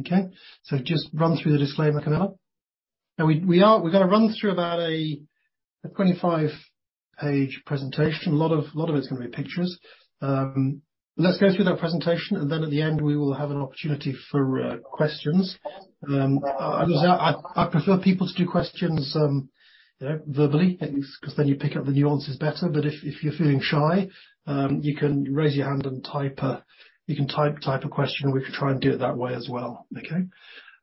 Okay. Just run through the disclaimer, Camilla. Now we're gonna run through about a 25-page presentation. A lot of it's gonna be pictures. Let's go through that presentation, and then at the end, we will have an opportunity for questions. As I said, I prefer people to do questions, you know, verbally at least, 'cause then you pick up the nuances better. If you're feeling shy, you can raise your hand and type a question, and we can try and do it that way as well, okay?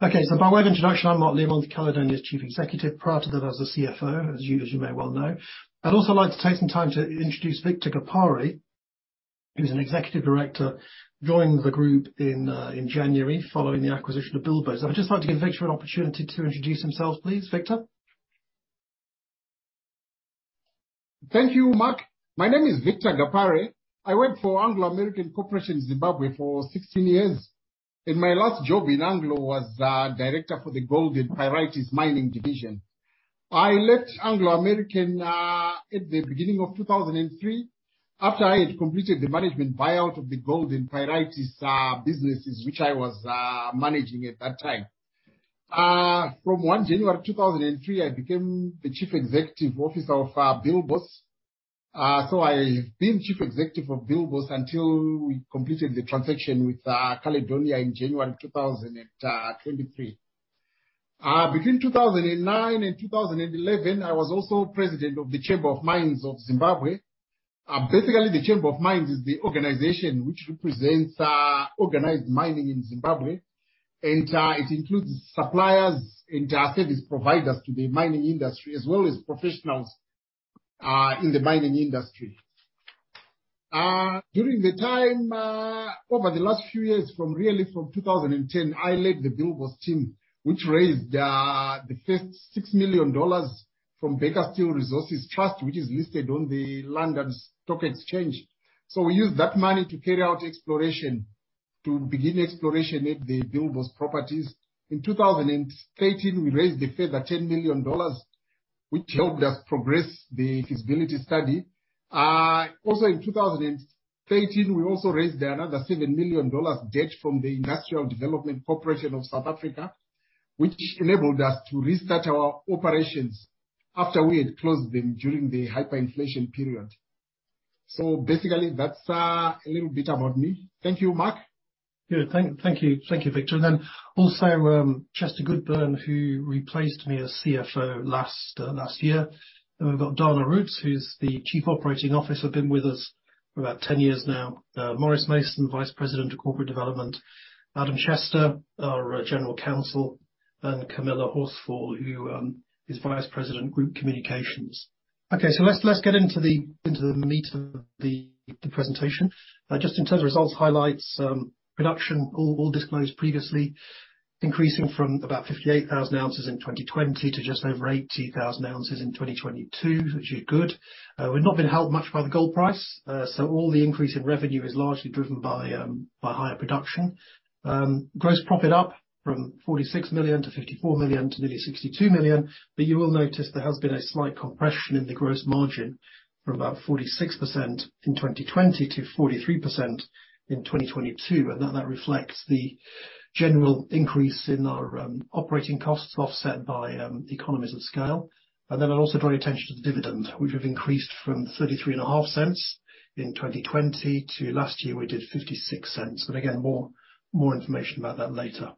Okay, by way of introduction, I'm Mark Learmonth, Caledonia's Chief Executive. Prior to that I was a CFO, as you may well know. I'd also like to take some time to introduce Victor Gapare, who's an executive director, joined the group in January following the acquisition of Bilboes. I'd just like to give Victor an opportunity to introduce himself, please. Victor? Thank you, Mark. My name is Victor Gapare. I worked for Anglo American Corporation Zimbabwe for 16 years, and my last job in Anglo was Director for the Gold and Pyrites Mining Division. I left Anglo American at the beginning of 2003 after I had completed the management buyout of the Gold and Pyrites businesses, which I was managing at that time. From January 1, 2003, I became the Chief Executive Officer of Bilboes. I've been Chief Executive of Bilboes until we completed the transaction with Caledonia in January 2023. Between 2009 and 2011, I was also President of the Chamber of Mines of Zimbabwe. Basically the Chamber of Mines is the organization which represents organized mining in Zimbabwe, and it includes suppliers and service providers to the mining industry, as well as professionals in the mining industry. During the time, over the last few years from really from 2010, I led the Bilboes team, which raised the first $6 million from Baker Steel Resources Trust, which is listed on the London Stock Exchange. We used that money to carry out exploration, to begin exploration at the Bilboes properties. In 2013, we raised a further $10 million, which helped us progress the feasibility study. Also in 2013, we also raised another $7 million debt from the Industrial Development Corporation of South Africa, which enabled us to restart our operations after we had closed them during the hyperinflation period. Basically that's a little bit about me. Thank you, Mark. Good. Thank you. Thank you, Victor. Chester Goodburn, who replaced me as CFO last year. We've got Dana Roets, who's the Chief Operating Officer, been with us for about 10 years now. Maurice Mason, Vice President of Corporate Development. Adam Chester, our General Counsel, and Camilla Horsfall, who is Vice President, Group Communications. Let's get into the meat of the presentation. Just in terms of results highlights, production all disclosed previously, increasing from about 58,000 ounces in 2020 to just over 80,000 ounces in 2022, which is good. We've not been helped much by the gold price, so all the increase in revenue is largely driven by higher production. Gross profit up from $46 million to $54 million to nearly $62 million, but you will notice there has been a slight compression in the gross margin from about 46% in 2020 to 43% in 2022, and that reflects the general increase in our operating costs offset by economies of scale. Then I'd also draw your attention to the dividend, which we've increased from $33.5 in 2020 to last year we did $0.56. Again, more information about that later.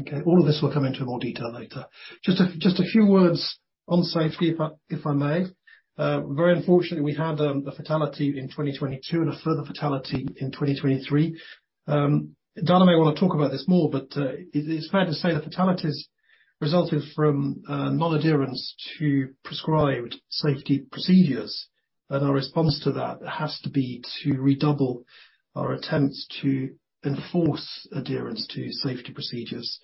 Okay? All of this we'll come into more detail later. Just a few words on safety if I may. Very unfortunately, we had a fatality in 2022 and a further fatality in 2023. Dana may wanna talk about this more, but it's fair to say the fatalities resulted from non-adherence to prescribed safety procedures. Our response to that has to be to redouble our attempts to enforce adherence to safety procedures.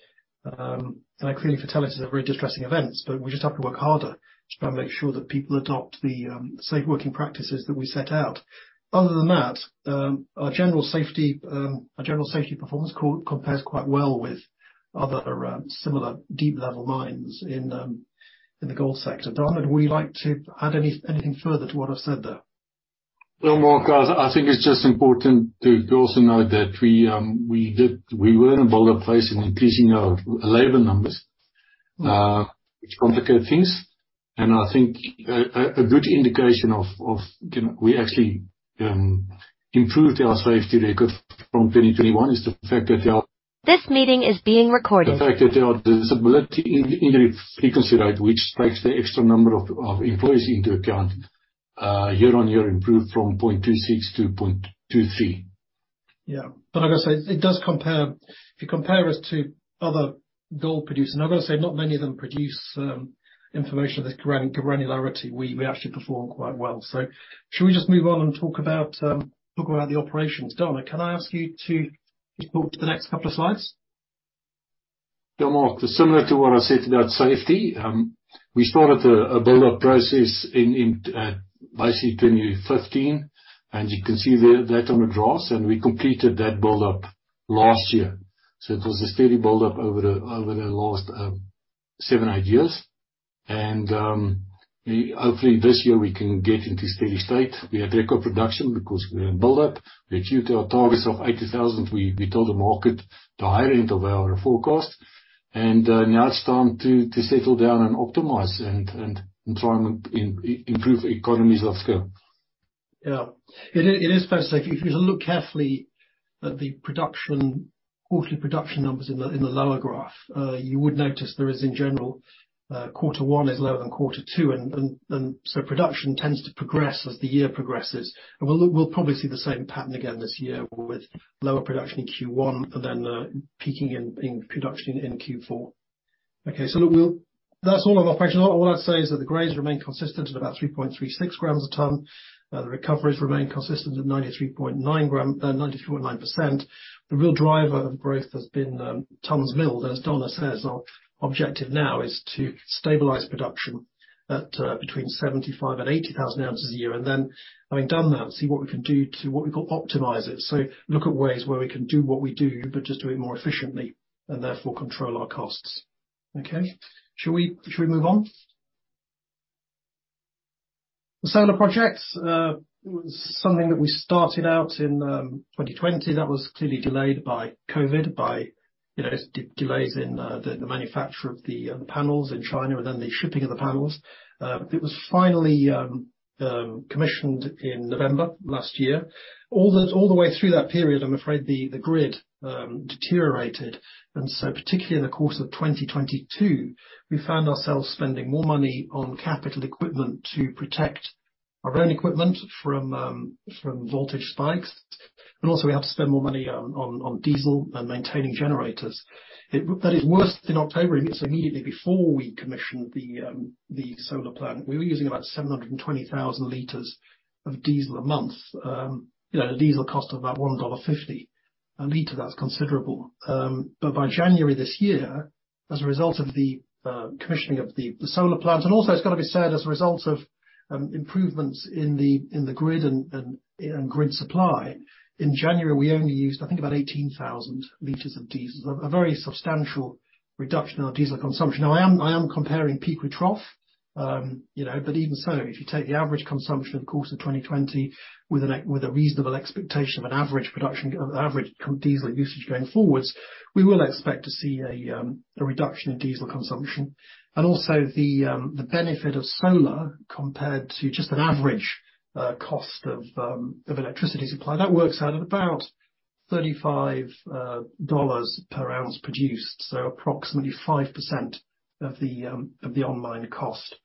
Clearly fatalities are very distressing events, but we just have to work harder to try and make sure that people adopt the safe working practices that we set out. Other than that, our general safety performance compares quite well with other similar deep level mines in the gold sector. Dana, would you like to add anything further to what I've said there? No, Mark, I think it's just important to also note that we were in a build-up phase in increasing our labor numbers, which complicate things. I think a good indication of, you know, we actually improved our safety record from 2021 is the fact that. The fact that our Disabling Injury Frequency Rate, which takes the extra number of employees into account, year-on-year improved from 0.26-0.23. Yeah. Like I say, it does compare. If you compare us to other gold producers, and I've got to say, not many of them produce information of this granularity. We actually perform quite well. Should we just move on and talk about the operations? Dana, can I ask you to just talk to the next couple of slides? Yeah, Mark. Similar to what I said about safety, we started a build-up process in basically 2015. You can see the data on the graphs. We completed that build-up last year. It was a steady build-up over the last seven, eight years. Hopefully this year we can get into steady state. We had record production because we're in build-up. We achieved our targets of 80,000. We told the market the higher end of our forecast. Now it's time to settle down and optimize and try and improve economies of scale. It is, it is fair to say if you look carefully at the production, quarterly production numbers in the, in the lower graph, you would notice there is in general, quarter one is lower than quarter two. Production tends to progress as the year progresses. We'll probably see the same pattern again this year with lower production in Q1 than peaking in production in Q4. That's all of our questions. All I want to say is that the grades remain consistent of about 3.36 grams a ton. The recoveries remain consistent at 93.9%, 93.9%. The real driver of growth has been tons milled. As Dana says, our objective now is to stabilize production at between 75,000 and 80,000 ounces a year, having done that, see what we can do to what we call optimize it. Look at ways where we can do what we do, but just do it more efficiently and therefore control our costs. Okay? Should we move on? The solar projects was something that we started out in 2020. That was clearly delayed by Covid, by, you know, delays in the manufacture of the panels in China and then the shipping of the panels. It was finally commissioned in November last year. All the way through that period, I'm afraid the grid deteriorated. Particularly in the course of 2022, we found ourselves spending more money on capital equipment to protect our own equipment from voltage spikes. We have to spend more money on diesel and maintaining generators. It's worse in October, so immediately before we commissioned the solar plant. We were using about 720,000 liters of diesel a month. You know, at a diesel cost of about $1.50 a liter. That's considerable. By January this year, as a result of the commissioning of the solar plant, and also it's gotta be said, as a result of improvements in the grid and, you know, grid supply. In January, we only used, I think, about 18,000 liters of diesel. A very substantial reduction in our diesel consumption. Now, I am comparing peak with trough, you know. Even so, if you take the average consumption over the course of 2020 with a reasonable expectation of an average production, of average diesel usage going forwards, we will expect to see a reduction in diesel consumption. Also the benefit of solar compared to just an average cost of electricity supply. That works out at about $35 per ounce produced, so approximately 5% of the on-mine cost.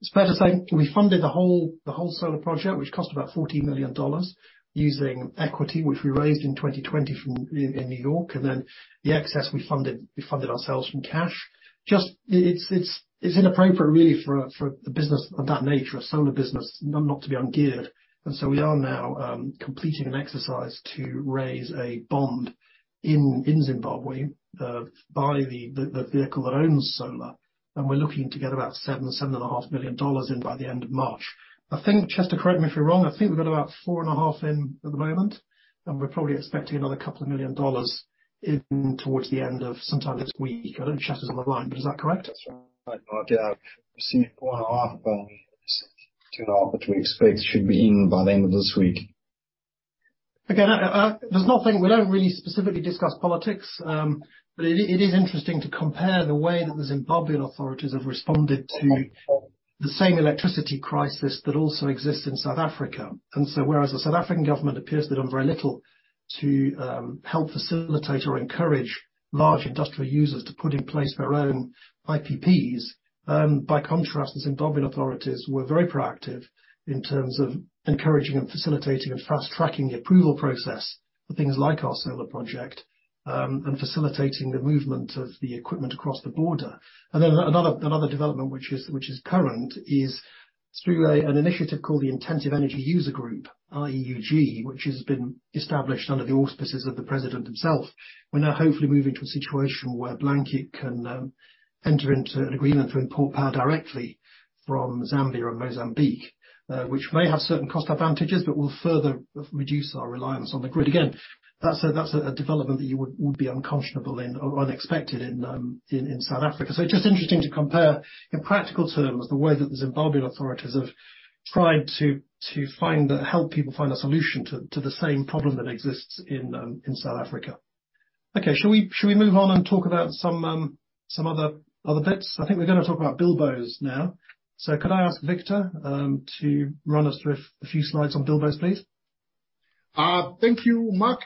It's fair to say we funded the whole solar project, which cost about $40 million, using equity, which we raised in 2020 from New York, the excess we funded, we funded ourselves from cash. It's inappropriate really for a business of that nature, a solar business, not to be ungeared. We are now completing an exercise to raise a bond in Zimbabwe by the vehicle that owns solar. We're looking to get about $7.5 million in by the end of March. I think, Chester, correct me if I'm wrong, I think we've got about $4.5 million in at the moment, and we're probably expecting another $2 million in towards the end of sometime this week. I don't know if Chester's on the line, but is that correct? That's right, Mark. Yeah. Received four and a half by two and a half between space should be in by the end of this week. Again, I. There's nothing. We don't really specifically discuss politics, but it is interesting to compare the way that the Zimbabwean authorities have responded to the same electricity crisis that also exists in South Africa. Whereas the South African government appears to have done very little to help facilitate or encourage large industrial users to put in place their own IPPs, by contrast, the Zimbabwean authorities were very proactive in terms of encouraging and facilitating and fast-tracking the approval process for things like our solar project, and facilitating the movement of the equipment across the border. Then another development which is current is through an initiative called the Intensive Energy User Group, IEUG, which has been established under the auspices of the president himself. We now hopefully move into a situation where Blanket can enter into an agreement to import power directly from Zambia or Mozambique, which may have certain cost advantages but will further reduce our reliance on the grid. Again, that's a development that you would be unconscionable and unexpected in South Africa. Just interesting to compare in practical terms the way that the Zimbabwean authorities have tried to help people find a solution to the same problem that exists in South Africa. Shall we move on and talk about some other bits? I think we're gonna talk about Bilboes now. Could I ask Victor to run us through a few slides on Bilboes, please? Thank you, Mark.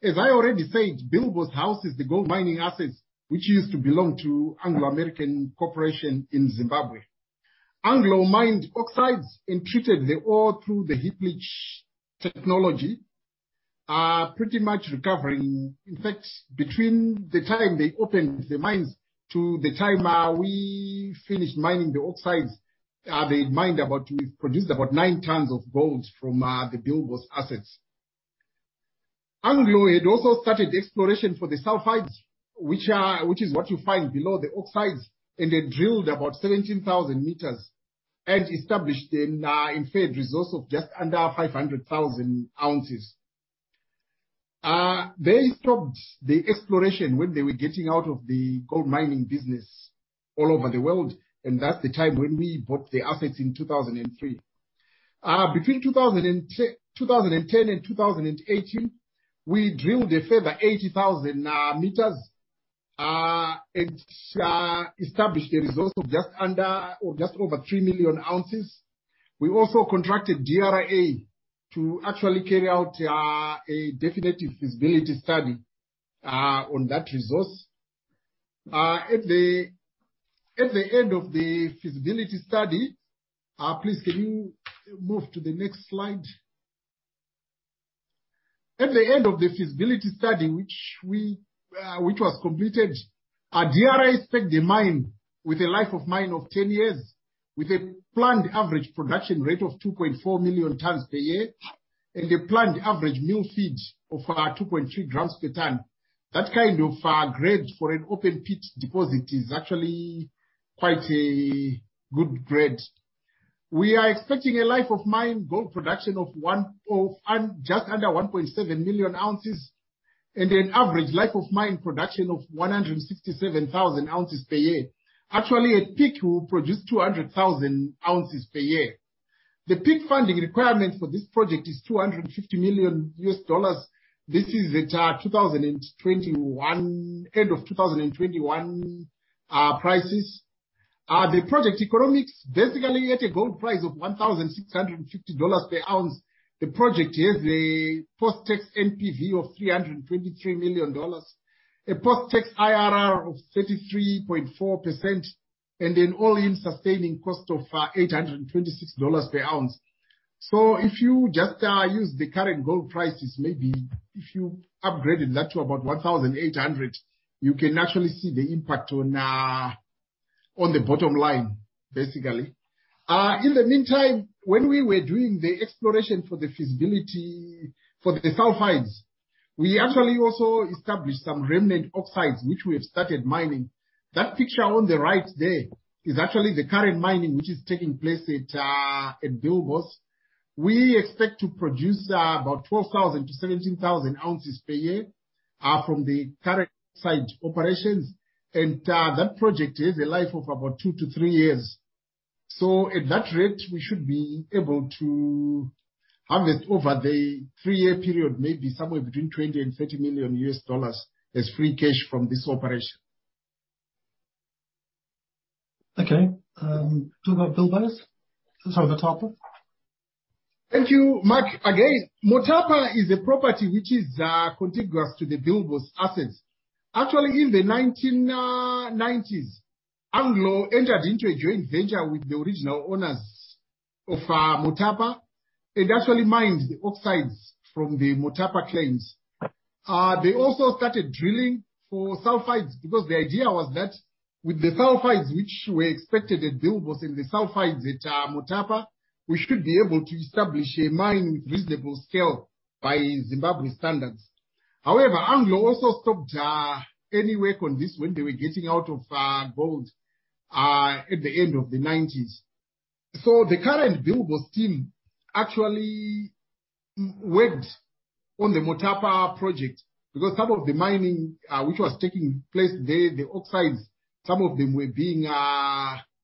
As I already said, Bilboes House is the gold mining assets which used to belong to Anglo American Corporation Zimbabwe. Anglo mined oxides and treated the ore through the heap leach technology, pretty much recovering. In fact, between the time they opened the mines to the time, we finished mining the oxides, they mined about, we've produced about nine tons of gold from the Bilboes assets. Anglo had also started exploration for the sulfides, which is what you find below the oxides, and they drilled about 17,000 meters and established an inferred resource of just under 500,000 ounces. They stopped the exploration when they were getting out of the gold mining business all over the world, and that's the time when we bought the assets in 2003. Between 2010 and 2018, we drilled a further 80,000 meters and established a resource of just under or just over 3 million ounces. We also contracted DRA to actually carry out a definitive feasibility study on that resource. At the end of the feasibility study. Please can you move to the next slide? At the end of the feasibility study which we which was completed, DRA spec'd the mine with a life of mine of 10 years, with a planned average production rate of 2.4 million tons per year and a planned average mill feed of 2.3 grams per ton. That kind of grade for an open pit deposit is actually quite a good grade. We are expecting a life of mine gold production of just under 1.7 million ounces and an average life of mine production of 167,000 ounces per year. Actually, at peak, we'll produce 200,000 ounces per year. The peak funding requirement for this project is $250 million. This is at 2021, end of 2021, prices. The project economics, basically at a gold price of $1,650 per ounce, the project has a post-tax NPV of $323 million, a post-tax IRR of 33.4%, and an all-in sustaining cost of $826 per ounce. If you just use the current gold prices, maybe if you upgraded that to about 1,800, you can actually see the impact on the bottom line, basically. In the meantime, when we were doing the exploration for the feasibility for the sulfides, we actually also established some remnant oxides, which we have started mining. That picture on the right there is actually the current mining, which is taking place at Bilboes. We expect to produce about 12,000-17,000 ounces per year from the current site operations. That project is a life of about two to three years. At that rate, we should be able to harvest over the three-year period, maybe somewhere between $20 million-$30 million as free cash from this operation. Okay. Talk about Bilboes. Sorry, Motapa. Thank you, Mark. Again, Motapa is a property which is contiguous to the Bilboes assets. Actually, in the 1990s, Anglo entered into a joint venture with the original owners of Motapa. It actually mines the oxides from the Motapa claims. They also started drilling for sulfides because the idea was that with the sulfides which were expected at Bilboes and the sulfides at Motapa, we should be able to establish a mine with reasonable scale by Zimbabwe standards. Anglo also stopped any work on this when they were getting out of gold at the end of the 1990s. The current Bilboes team actually went on the Motapa project because some of the mining which was taking place there, the oxides, some of them were being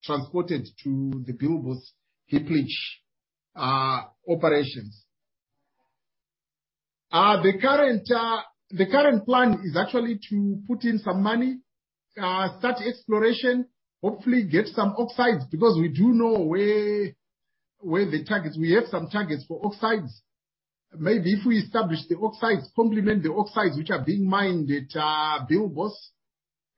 transported to the Bilboes heap leach operations. The current plan is actually to put in some money, start exploration, hopefully get some oxides because we do know where the target is. We have some targets for oxides. Maybe if we establish the oxides, complement the oxides which are being mined at Bilboes,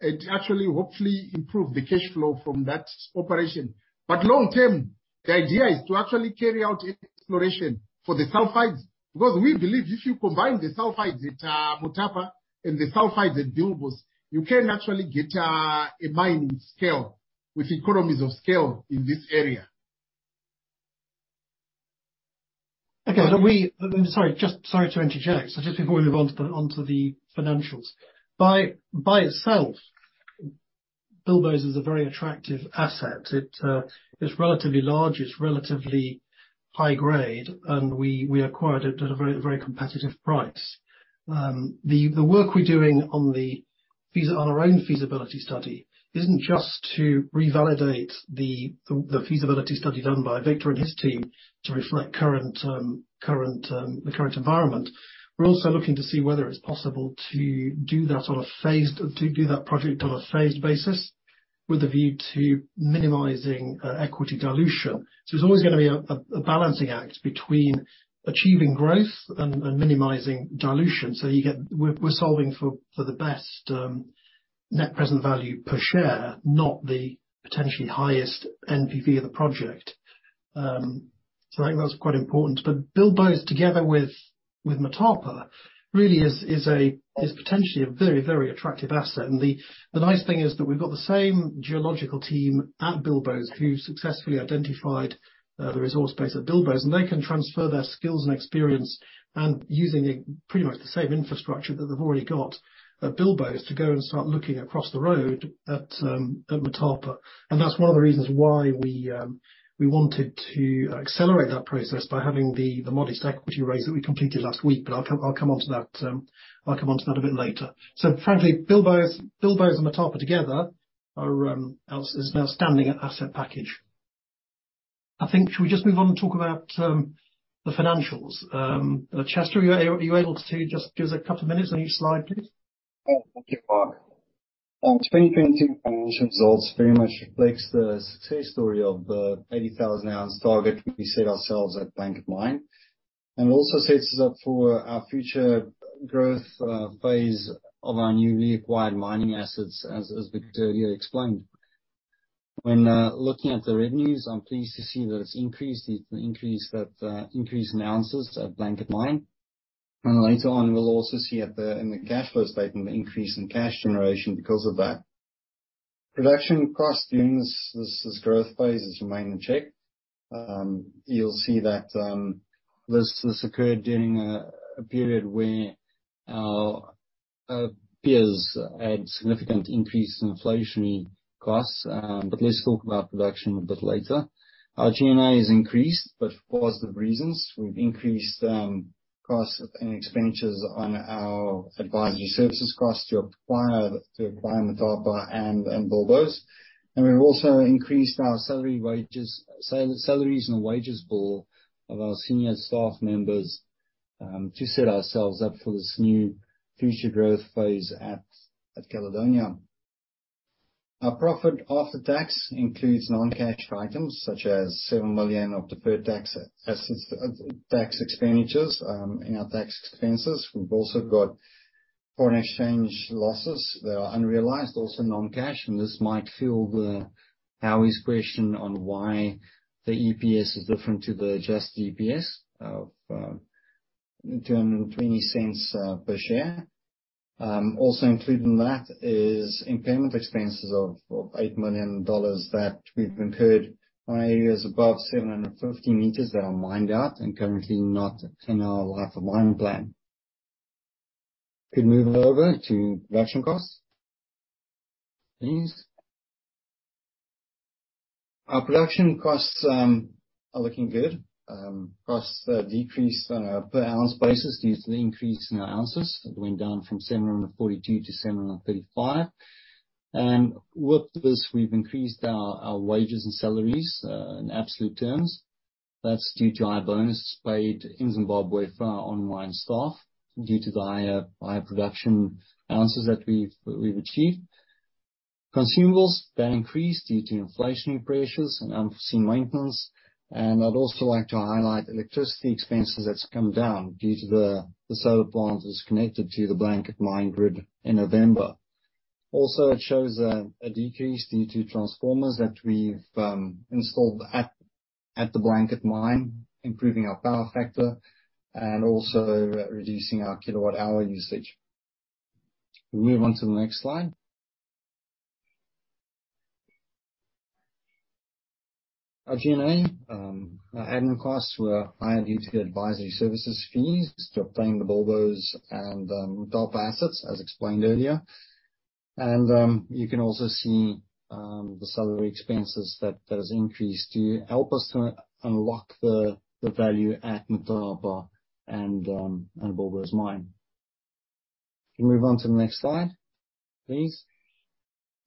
it actually hopefully improve the cash flow from that operation. Long term, the idea is to actually carry out exploration for the sulfides because we believe if you combine the sulfides at Motapa and the sulfides at Bilboes, you can actually get a mine scale with economies of scale in this area. Okay. Sorry to interject. Just before we move on to the financials. By itself, Bilboes is a very attractive asset. It's relatively large, it's relatively high grade, and we acquired it at a very, very competitive price. The work we're doing on our own feasibility study isn't just to revalidate the feasibility study done by Victor and his team to reflect current environment. We're also looking to see whether it's possible to do that project on a phased basis with a view to minimizing equity dilution. There's always gonna be a balancing act between achieving growth and minimizing dilution. You get- we're solving for the best net present value per share, not the potentially highest NPV of the project. I think that's quite important. Bilboes together with Motapa really is potentially a very, very attractive asset. The nice thing is that we've got the same geological team at Bilboes who successfully identified the resource base at Bilboes, and they can transfer their skills and experience and using pretty much the same infrastructure that they've already got at Bilboes to go and start looking across the road at Motapa. That's one of the reasons why we wanted to accelerate that process by having the modest equity raise that we completed last week. I'll come on to that a bit later. Frankly, Bilboes and Motapa together. Our outstanding asset package. I think, should we just move on and talk about the financials? Chester, are you able to just give us a couple of minutes on each slide, please? Yeah. Thank you, Mark. 2020 financial results very much reflects the success story of the 80,000 ounce target we set ourselves at Blanket Mine, and also sets us up for our future growth phase of our newly acquired mining assets, as Victor here explained. When looking at the revenues, I'm pleased to see that it's increased. It's an increase that increase in ounces at Blanket Mine. Later on, we'll also see in the cash flow statement, the increase in cash generation because of that. Production costs during this growth phase has remained in check. You'll see that this occurred during a period where our peers had significant increase in inflationary costs. Let's talk about production a bit later. Our G&A has increased, for positive reasons. We've increased costs and expenditures on our advisory services cost to acquire Motapa and Bilboes. We've also increased our salaries and wages bill of our senior staff members to set ourselves up for this new future growth phase at Caledonia. Our profit after tax includes non-cash items such as $7 million of deferred tax assets, tax expenditures, in our tax expenses. We've also got foreign exchange losses that are unrealized, also non-cash, and this might fill the Howie's question on why the EPS is different to the adjusted EPS of $2.20 per share. Also included in that is impairment expenses of $8 million that we've incurred on areas above 750 meters that are mined out and currently not in our life of mine plan. Can move over to production costs, please. Our production costs are looking good. Costs decreased on a per ounce basis due to the increase in ounces. It went down from $742-$735. With this we've increased our wages and salaries in absolute terms. That's due to high bonuses paid in Zimbabwe for our online staff due to the higher production ounces that we've achieved. Consumables, they increased due to inflationary pressures and unforeseen maintenance. I'd also like to highlight electricity expenses that's come down due to the solar plant was connected to the Blanket Mine grid in November. Also, it shows a decrease due to transformers that we've installed at the Blanket Mine, improving our power factor and also reducing our kWh usage. We move on to the next slide. Our G&A, our admin costs were higher due to the advisory services fees to obtain the Bilboes and Motapa assets, as explained earlier. You can also see the salary expenses that has increased to help us to unlock the value at Motapa and Bilboes Mine. Can we move on to the next slide, please.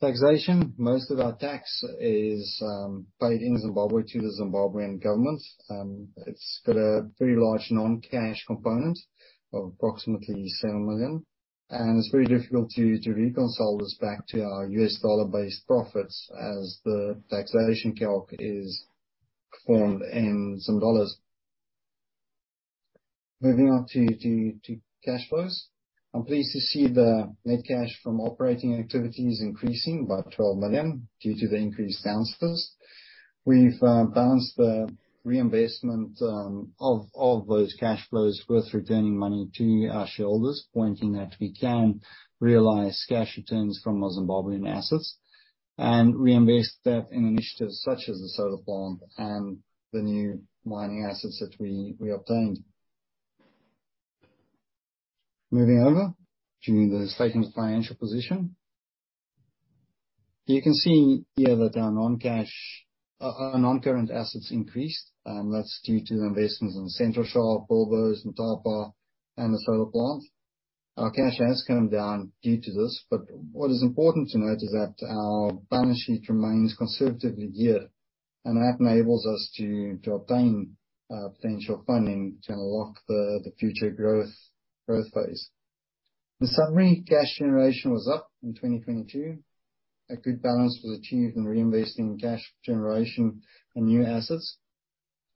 Taxation. Most of our tax is paid in Zimbabwe to the Zimbabwean government. It's got a very large non-cash component of approximately $7 million. It's very difficult to reconcile this back to our US dollar-based profits as the taxation calc is formed in ZWL. Moving on to cash flows. I'm pleased to see the net cash from operating activities increasing by $12 million due to the increased ounces. We've balanced the reinvestment of those cash flows with returning money to our shareholders, pointing that we can realize cash returns from our Zimbabwean assets and reinvest that in initiatives such as the solar plant and the new mining assets that we obtained. Moving over to the statement of financial position. You can see here that our non-cash, our non-current assets increased, and that's due to the investments in the Central Shaft, Bilboes, Motapa, and the solar plant. Our cash has come down due to this, but what is important to note is that our balance sheet remains conservatively geared, and that enables us to obtain potential funding to unlock the future growth phase. In summary, cash generation was up in 2022. A good balance was achieved in reinvesting cash generation and new assets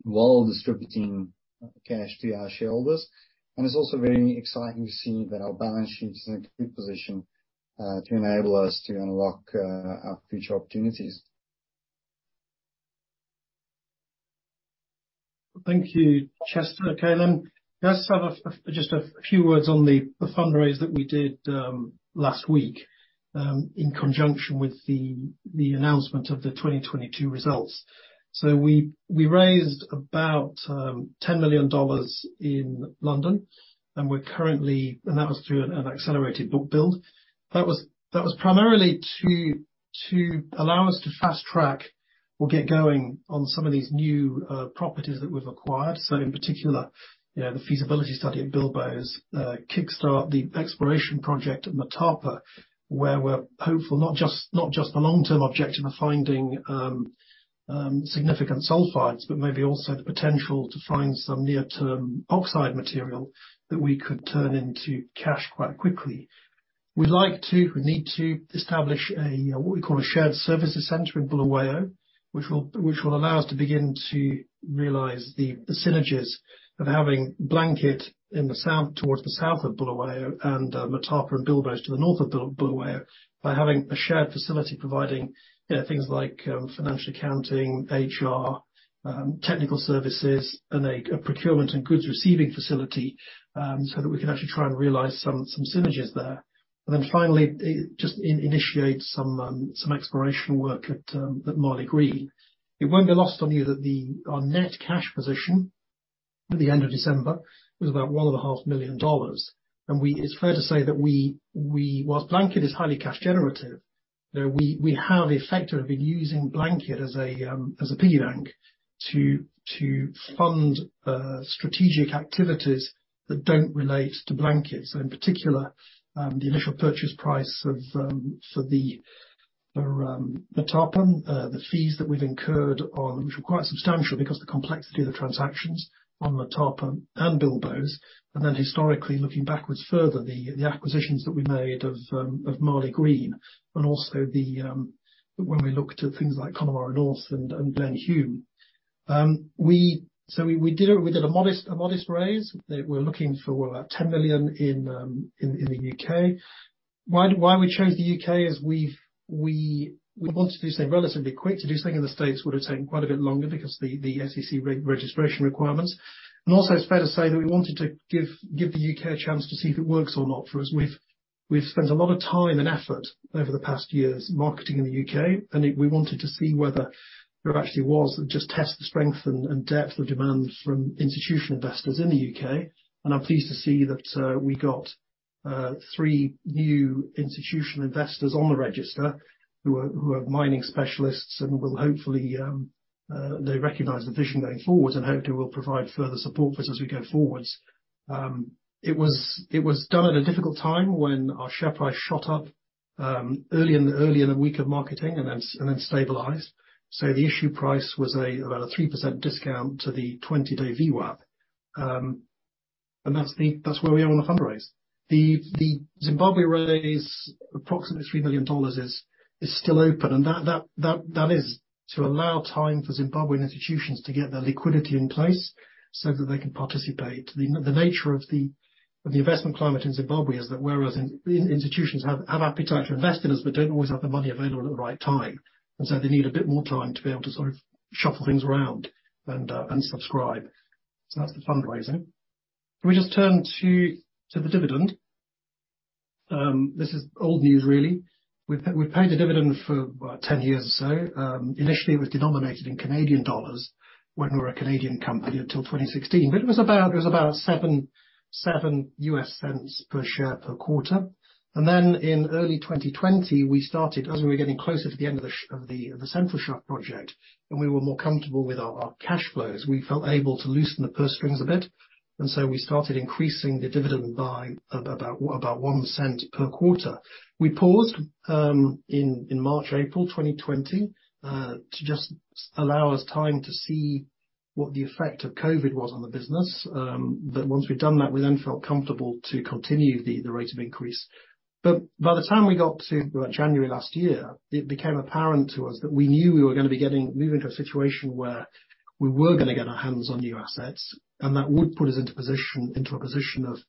while distributing cash to our shareholders. It's also very exciting to see that our balance sheet is in a good position to enable us to unlock our future opportunities. Thank you, Chester. Calon. Can I just have a few words on the fundraise that we did last week in conjunction with the announcement of the 2022 results. We raised about $10 million in London, and that was through an accelerated book build. That was primarily to allow us to fast-track, we'll get going on some of these new properties that we've acquired. In particular, you know, the feasibility study at Bilboes, kickstart the exploration project at Motapa, where we're hopeful, not just the long-term objective of finding significant sulfides, but maybe also the potential to find some near-term oxide material that we could turn into cash quite quickly. We need to establish a what we call a shared services center in Bulawayo, which will allow us to begin to realize the synergies of having Blanket in the south, towards the south of Bulawayo and Motapa and Bilboes to the north of Bulawayo, by having a shared facility providing, you know, things like financial accounting, HR, technical services, and a procurement and goods receiving facility, so that we can actually try and realize some synergies there. Then finally, just initiate some exploration work at Maligreen. It won't be lost on you that our net cash position at the end of December was about $1.5 Million. It's fair to say that we, whilst Blanket is highly cash generative, you know, we have effectively been using Blanket as a piggy bank to fund strategic activities that don't relate to Blanket. In particular, the initial purchase price of for the Motapa, the fees that we've incurred on, which were quite substantial because the complexity of the transactions on Motapa and Bilboes, and then historically, looking backwards further, the acquisitions that we made of Maligreen and also the when we looked at things like Connemara North and Glen Hume. We did a modest raise. We're looking for about $10 million in the U.K. Why we chose the U.K. is we wanted to do something relatively quick. To do something in the States would have taken quite a bit longer because the SEC re-registration requirements. Also it's fair to say that we wanted to give the U.K. a chance to see if it works or not for us. We've spent a lot of time and effort over the past years marketing in the U.K., we wanted to see whether there actually was, just test the strength and depth of demand from institutional investors in the U.K. I'm pleased to see that we got three new institutional investors on the register who are mining specialists and will hopefully, they recognize the vision going forwards and hopefully will provide further support for us as we go forwards. It was done at a difficult time when our share price shot up early in the week of marketing and then stabilized. The issue price was about a 3% discount to the 20-day VWAP. That's where we are on the fundraise. The Zimbabwe raise, approximately $3 million, is still open. That is to allow time for Zimbabwean institutions to get their liquidity in place so that they can participate. The nature of the investment climate in Zimbabwe is that whereas institutions have appetite to invest in us but don't always have the money available at the right time. They need a bit more time to be able to sort of shuffle things around and subscribe. That's the fundraising. Can we just turn to the dividend? This is old news really. We've paid a dividend for about 10 years or so. Initially it was denominated in Canadian dollars when we were a Canadian company until 2016. It was about, it was about $0.07 per share per quarter. In early 2020, we started, as we were getting closer to the end of the Central Shaft project, and we were more comfortable with our cash flows, we felt able to loosen the purse strings a bit, and so we started increasing the dividend by about $0.01 per quarter. We paused in March, April 2020 to just allow us time to see what the effect of COVID was on the business. Once we'd done that, we then felt comfortable to continue the rate of increase. By the time we got to January last year, it became apparent to us that we knew we were gonna be moving to a situation where we were gonna get our hands on new assets, and that would put us into a position of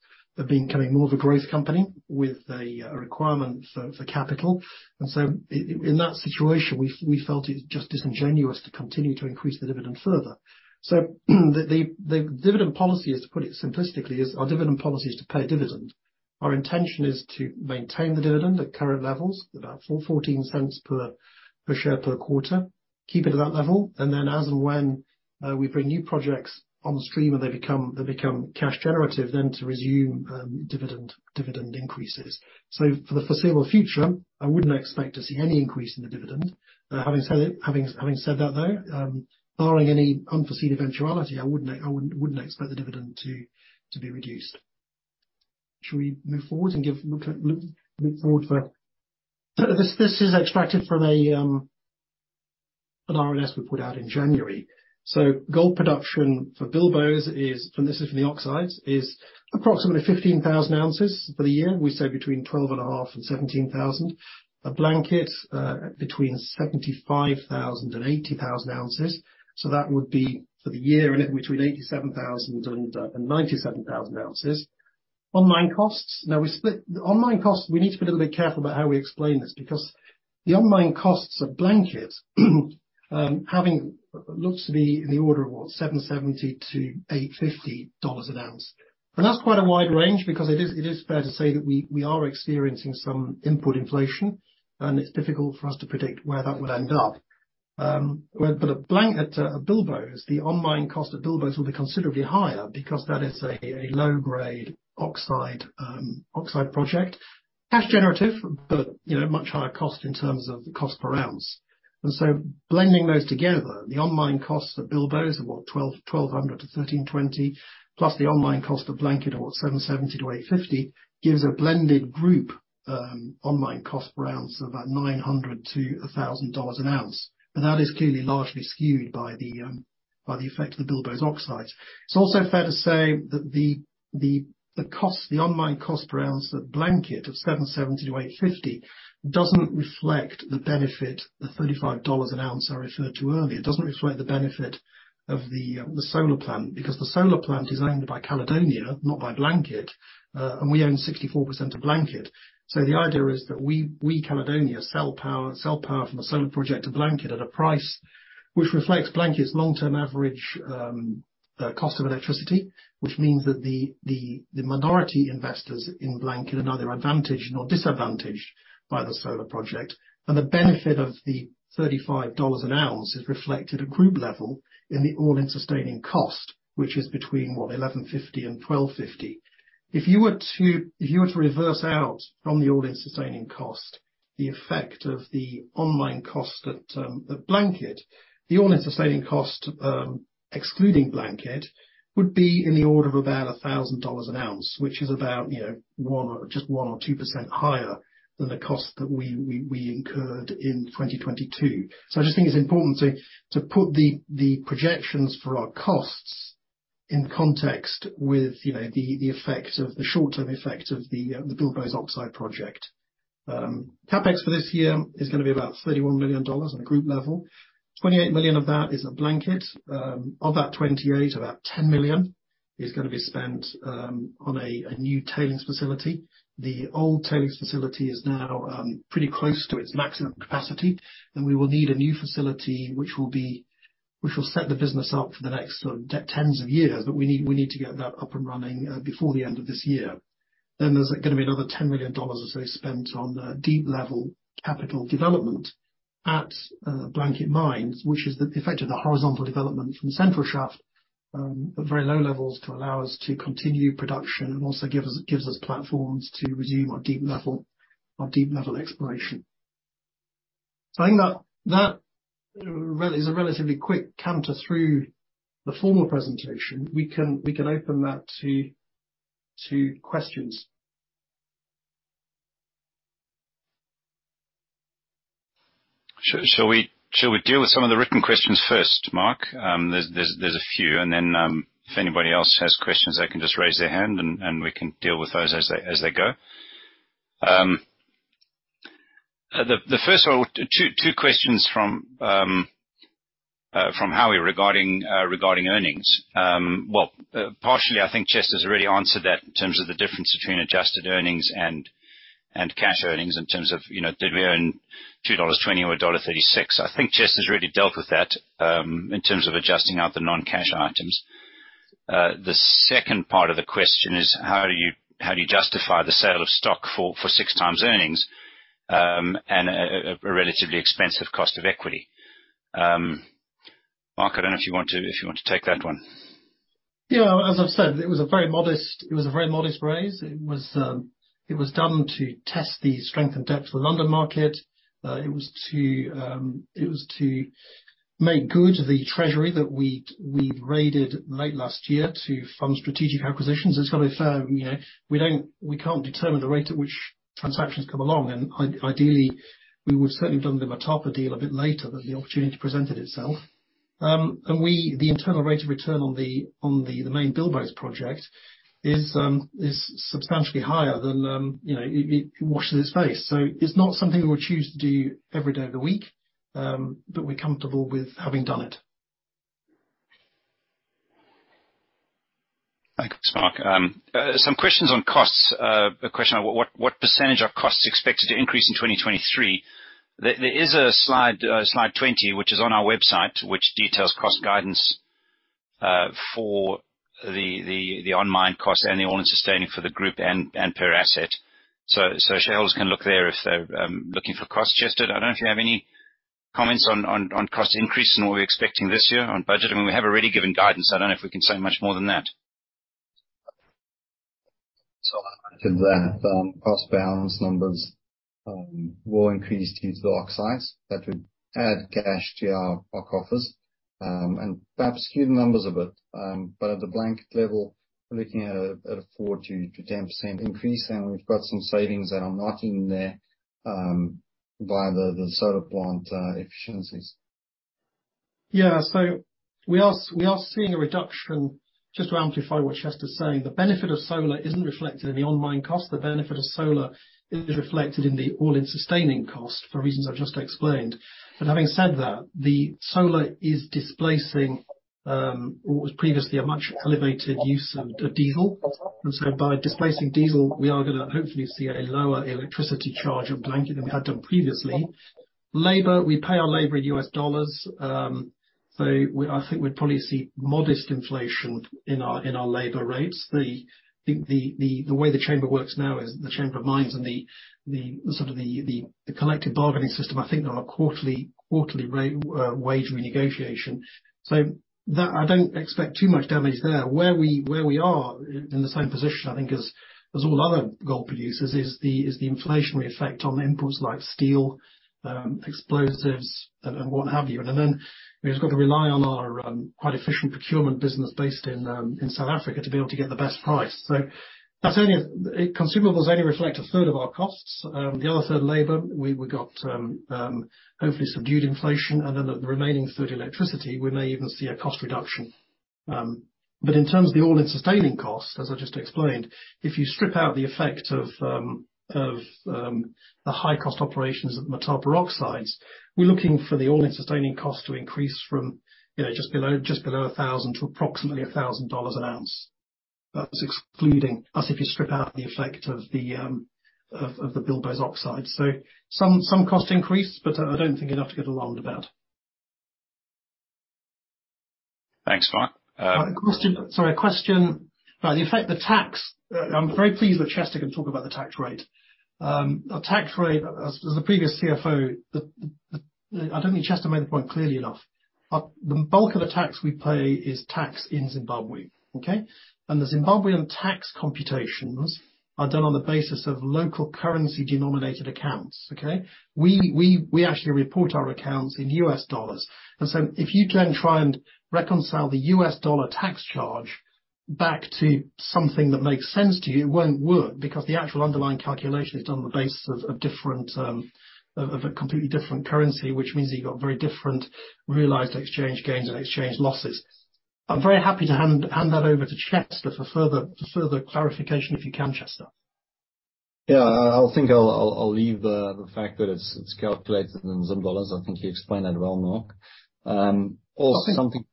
becoming more of a growth company with a requirement for capital. In that situation, we felt it just disingenuous to continue to increase the dividend further. The dividend policy, just to put it simplistically, is our dividend policy is to pay a dividend. Our intention is to maintain the dividend at current levels, about $0.14 per share per quarter, keep it at that level, and then as and when we bring new projects on the stream and they become cash generative, then to resume dividend increases. For the foreseeable future, I wouldn't expect to see any increase in the dividend. Having said that though, barring any unforeseen eventuality, I wouldn't expect the dividend to be reduced. Should we move forward for-this is extracted from an RNS we put out in January. Gold production for Bilboes is from the oxides, is approximately 15,000 ounces for the year. We say between 12 and a half and 17,000. A Blanket, between 75,000 and 80,000 ounces. That would be for the year in it, between 87,000 and 97,000 ounces. On-mine costs. On-mine costs, we need to be a little bit careful about how we explain this because the on-mine costs of Blanket, having looks to be in the order of what, $770-$850 an ounce. That's quite a wide range because it is, it is fair to say that we are experiencing some input inflation, and it's difficult for us to predict where that would end up. Well, at Blanket, at Bilboes, the on-mine cost of Bilboes will be considerably higher because that is a low grade oxide project. Cash generative, you know, much higher cost in terms of the cost per ounce. Blending those together, the on-mine cost of Bilboes of what? $1,200-$1,320, plus the on-mine cost of Blanket of what? $770-$850, gives a blended group on-mine cost per ounce of about $900-$1,000 an ounce. That is clearly largely skewed by the effect of the Bilboes oxide. It's also fair to say that the cost, the on-mine cost per ounce at Blanket of $770-$850 doesn't reflect the benefit, the $35 an ounce I referred to earlier. It doesn't reflect the benefit of the solar plant because the solar plant is owned by Caledonia, not by Blanket. We own 64% of Blanket. The idea is that we Caledonia sell power from the solar project to Blanket at a price which reflects Blanket's long-term average cost of electricity, which means that the minority investors in Blanket are neither advantaged nor disadvantaged by the solar project. The benefit of the $35 an ounce is reflected at group level in the all-in sustaining cost, which is between what? $1,150 and $1,250. If you were to reverse out from the all-in sustaining cost the effect of the on-mine cost at Blanket, the all-in sustaining cost, excluding Blanket, would be in the order of about $1,000 an ounce, which is about, you know, 1% or just 1% or 2% higher than the cost that we incurred in 2022. I just think it's important to put the projections for our costs in context with the short term effect of the Bilboes oxide project. CapEx for this year is gonna be about $31 million on a group level. $28 million of that is at Blanket. Of that 28, about $10 million is gonna be spent on a new tailings facility. The old tailings facility is now pretty close to its maximum capacity, and we will need a new facility which will set the business up for the next tens of years, but we need to get that up and running before the end of this year. There's gonna be another $10 million or so spent on deep level capital development at Blanket Mine, which is the effect of the horizontal development from Central Shaft at very low levels to allow us to continue production and also give us platforms to resume our deep level exploration. I think that is a relatively quick canter through the formal presentation. We can open that to questions. Shall we deal with some of the written questions first, Mark? There's a few. If anybody else has questions, they can just raise their hand and we can deal with those as they go. The first one, two questions from Howie regarding earnings. Well, partially, I think Chester's already answered that in terms of the difference between adjusted earnings and cash earnings in terms of, you know, did we earn $2.20 or $1.36? I think Chester's already dealt with that in terms of adjusting out the non-cash items. The second part of the question is how do you justify the sale of stock for six times earnings and a relatively expensive cost of equity? Mark, I don't know if you want to take that one. As I've said, it was a very modest raise. It was done to test the strength and depth of the London market. It was to make good the treasury that we'd raided late last year to fund strategic acquisitions. It's got to be fair, you know, we can't determine the rate at which transactions come along, and ideally, we would certainly have done the Motapa deal a bit later, but the opportunity presented itself. The internal rate of return on the main Bilboes project is substantially higher than, you know, it washes its face. It's not something we choose to do every day of the week, but we're comfortable with having done it. Thanks, Mark. Some questions on costs. A question on what percentage of costs are expected to increase in 2023. There is a slide 20, which is on our website, which details cost guidance for the on-mine cost and the all-in sustaining for the group and per asset. Shareholders can look there if they're looking for cost. Chester, I don't know if you have any comments on cost increase and what we're expecting this year on budget. I mean, we have already given guidance. I don't know if we can say much more than that. I think that cost balance numbers will increase due to the oxides that would add cash to our Blanket, and perhaps skew the numbers a bit. At the Blanket level, we're looking at a 4%-10% increase, and we've got some savings that are not in there, via the solar plant efficiencies. Yeah. We are seeing a reduction. Just to amplify what Chester is saying, the benefit of solar isn't reflected in the on-mine cost. The benefit of solar is reflected in the all-in sustaining cost for reasons I've just explained. Having said that, the solar is displacing what was previously a much elevated use of diesel. By displacing diesel, we are gonna hopefully see a lower electricity charge at Blanket than we had done previously. Labor, we pay our labor in U.S. dollars. I think we'd probably see modest inflation in our labor rates. The way the chamber works now is the Chamber of Mines and the sort of the collective bargaining system, I think, are on a quarterly wage renegotiation. That I don't expect too much damage there. Where we are in the same position, I think as all other gold producers is the inflationary effect on inputs like steel, explosives and what have you. we've got to rely on our quite efficient procurement business based in South Africa to be able to get the best price. That's only Consumables only reflect a third of our costs. The other third, labor, we got hopefully subdued inflation. The remaining third, electricity, we may even see a cost reduction. In terms of the all-in sustaining costs, as I just explained, if you strip out the effect of the high cost operations at Matabe oxides, we're looking for the all-in sustaining cost to increase from just below $1,000 to approximately $1,000 an ounce. That's excluding us if you strip out the effect of the Bilboes oxide. Some cost increase, but I don't think enough to get alarmed about. Thanks, Mark. Sorry, a question. Right. I'm very pleased that Chester can talk about the tax rate. Our tax rate, as the previous CFO, I don't think Chester made the point clearly enough. The bulk of the tax we pay is tax in Zimbabwe, okay? The Zimbabwean tax computations are done on the basis of local currency denominated accounts, okay? We actually report our accounts in U.S. dollars. If you then try and reconcile the U.S. dollar tax charge back to something that makes sense to you, it won't work because the actual underlying calculation is done on the basis of different, of a completely different currency, which means that you've got very different realized exchange gains and exchange losses. I'm very happy to hand that over to Chester for further clarification if you can, Chester. Yeah. I think I'll leave the fact that it's calculated in Zim dollars. I think you explained that well, Mark. Also something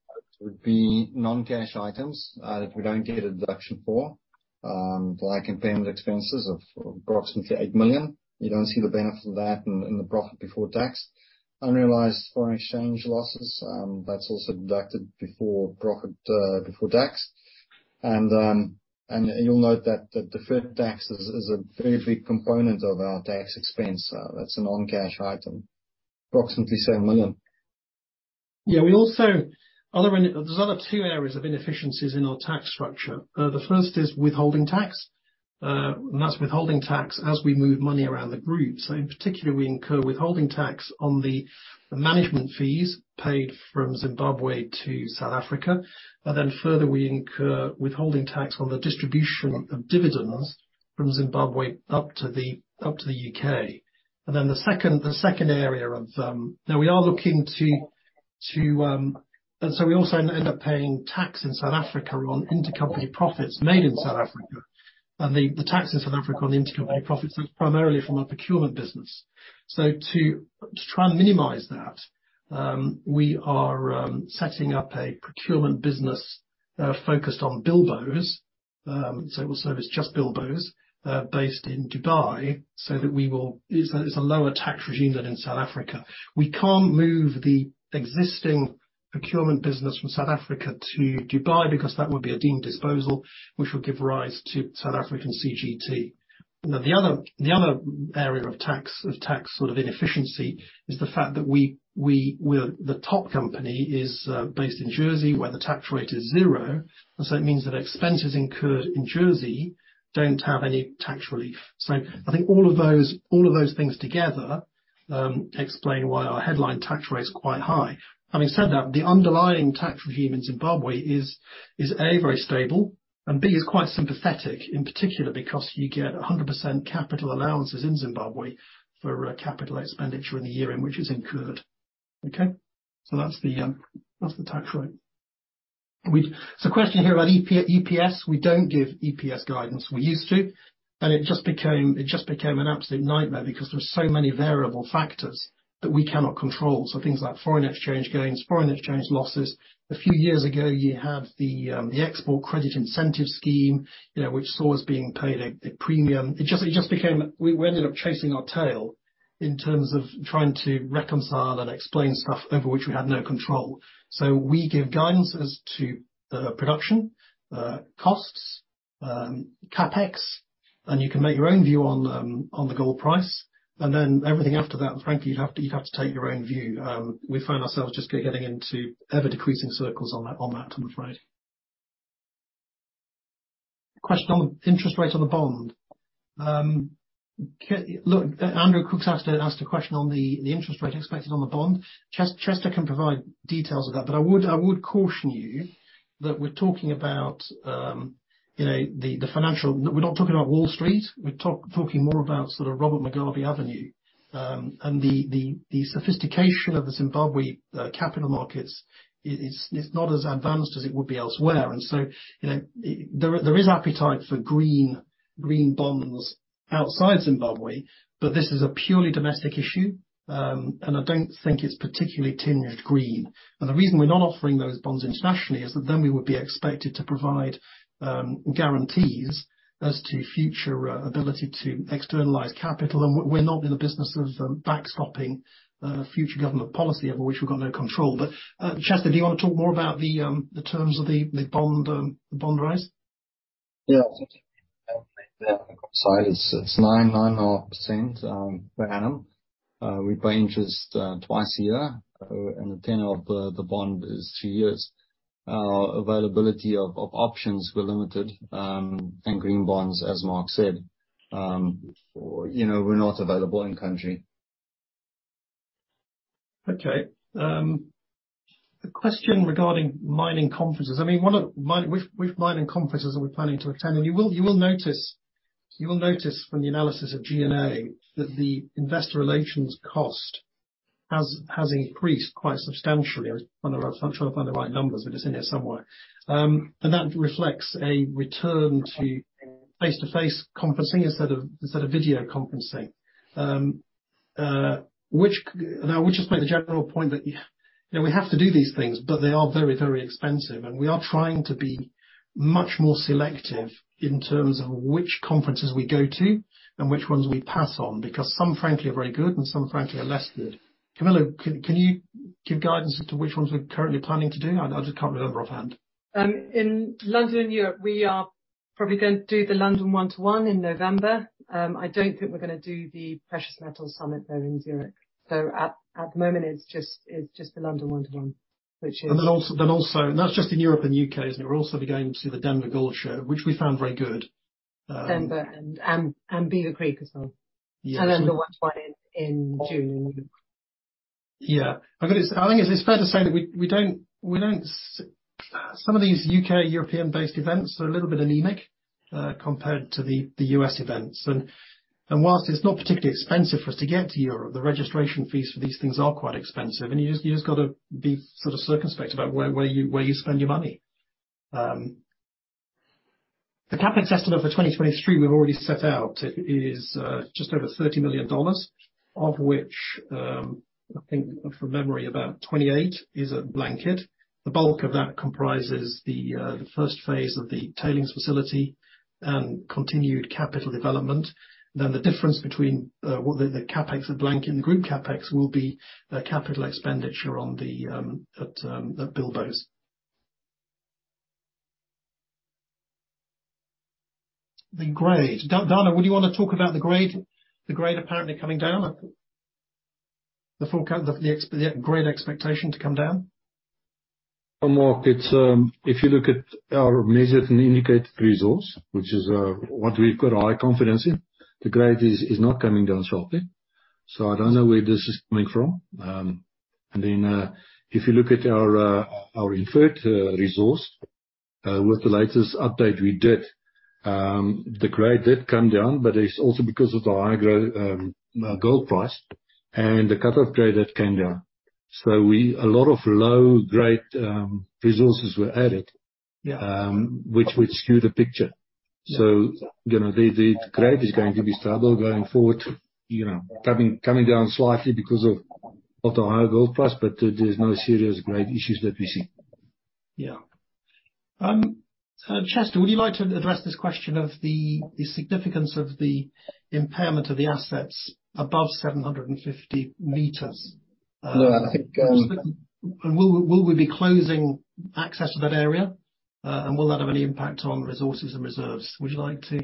would be non-cash items that we don't get a deduction for, like impairment expenses of approximately $8 million. You don't see the benefit of that in the profit before tax. Unrealized foreign exchange losses, that's also deducted before profit before tax. You'll note that the deferred tax is a very big component of our tax expense. That's a non-cash item. Approximately $7 million. Yeah. We also There's other two areas of inefficiencies in our tax structure. The first is withholding tax, and that's withholding tax as we move money around the group. In particular, we incur withholding tax on the management fees paid from Zimbabwe to South Africa. Further, we incur withholding tax on the distribution of dividends from Zimbabwe up to the, up to the U.K. The second, the second area of-We are looking to-We also end up paying tax in South Africa on intercompany profits made in South Africa. The, the tax in South Africa on intercompany profits is primarily from our procurement business. To try and minimize that, we are setting up a procurement business focused on Bilboes, so it will service just Bilboes, based in Dubai, so that It's a lower tax regime than in South Africa. We can't move the existing procurement business from South Africa to Dubai because that would be a deemed disposal, which would give rise to South African CGT. The other area of tax sort of inefficiency is the fact that the top company is based in Jersey, where the tax rate is zero, and so it means that expenses incurred in Jersey don't have any tax relief. I think all of those things together explain why our headline tax rate is quite high. Having said that, the underlying tax regime in Zimbabwe is, A, very stable and, B, is quite sympathetic, in particular because you get a 100% capital allowances in Zimbabwe for capital expenditure in the year in which it's incurred. Okay? That's the tax rate. Question here about EPS. We don't give EPS guidance. We used to, and it just became an absolute nightmare because there were so many variable factors that we cannot control. Things like foreign exchange gains, foreign exchange losses. A few years ago, you had the export credit incentive scheme, you know, which saw us being paid a premium. It just became. We ended up chasing our tail in terms of trying to reconcile and explain stuff over which we had no control. We give guidance as to production, costs, CapEx, and you can make your own view on the gold price. Everything after that, frankly, you'd have to take your own view. We found ourselves just getting into ever-decreasing circles on that, on that, I'm afraid. Question on interest rates on the bond. Look, Andrew Cook asked a question on the interest rate expected on the bond. Chester can provide details of that, but I would caution you that we're talking about, you know, the financial. We're not talking about Wall Street. We're talking more about sort of Robert Mugabe Avenue. The sophistication of the Zimbabwe capital markets is not as advanced as it would be elsewhere. You know, there is appetite for green bonds outside Zimbabwe, but this is a purely domestic issue, and I don't think it's particularly tinged green. The reason we're not offering those bonds internationally is that then we would be expected to provide guarantees as to future ability to externalize capital. We're not in the business of backstopping future government policy over which we've got no control. Chester, do you wanna talk more about the terms of the bond, the bond raise? Yeah, it's 9.5% per annum. We pay interest twice a year. The tenure of the bond is two years. Availability of options were limited, and green bonds, as Mark said. You know, were not available in country. Okay. A question regarding mining conferences. I mean, one of mine-Which mining conferences are we planning to attend? You will notice from the analysis of G&A that the investor relations cost has increased quite substantially. I'm trying to find the right numbers, but it's in here somewhere. That reflects a return to face-to-face conferencing instead of video conferencing. Which, now, we'll just make the general point that, you know, we have to do these things, but they are very, very expensive. We are trying to be much more selective in terms of which conferences we go to and which ones we pass on, because some, frankly, are very good and some, frankly, are less good. Camilla, can you give guidance as to which ones we're currently planning to do? I just can't remember offhand. In London and Europe, we are probably gonna do the London one-to-one in November. I don't think we're gonna do the Precious Metals Summit there in Zurich. At the moment it's just the London one-to-one. Also, that's just in Europe and U.K., isn't it? We'll also be going to the Denver Gold Show, which we found very good. Denver and Beaver Creek as well. Yeah. The one-to-one in June. Yeah. I got it. I think it's fair to say that we don't Some of these U.K., European-based events are a little bit anemic compared to the U.S. events. Whilst it's not particularly expensive for us to get to Europe, the registration fees for these things are quite expensive. You just gotta be sort of circumspect about where you spend your money. The CapEx estimate for 2023 we've already set out is just over $30 million, of which I think from memory about 28 is at Blanket Mine. The bulk of that comprises the first phase of the tailings facility and continued capital development. The difference between the CapEx at Blanket Mine and the group CapEx will be the capital expenditure at Bilboes. The grade. Dana, would you wanna talk about the grade apparently coming down at the full grade expectation to come down? Mark, it's, if you look at our measured and indicated resource, which is what we've got high confidence in, the grade is not coming down sharply. I don't know where this is coming from. Then, if you look at our inferred resource, with the latest update we did, the grade did come down, but it's also because of the high grade gold price and the cut-off grade that came down. A lot of low-grade resources were added- Yeah. -which would skew the picture. Yeah. You know, the grade is going to be stable going forward, you know, coming down slightly because of, not a higher gold price, but there's no serious grade issues that we see. Chester, would you like to address this question of the significance of the impairment of the assets above 750 meters? No, I think. Will we be closing access to that area? Will that have any impact on resources and reserves? Would you like to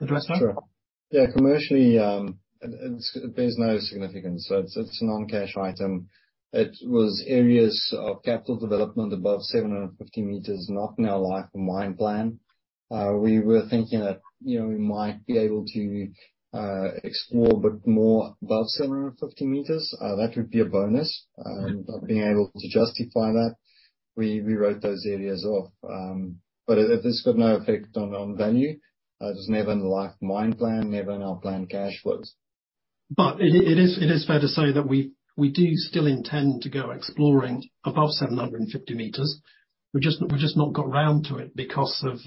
address that? Sure. Yeah. Commercially, it bears no significance. it's a non-cash item. It was areas of capital development above 750 m, not in our life mine plan. We were thinking that, you know, we might be able to explore a bit more above 750 m. That would be a bonus. Being able to justify that, we wrote those areas off. This got no effect on value. It was never in the life mine plan, never in our plan cash flows. It is fair to say that we do still intend to go exploring above 750 m. We've just not got round to it because of,